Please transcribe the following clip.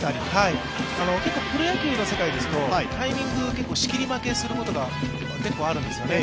結構、プロ野球の世界ですとタイミング、仕切り負けすることがあるんですよね。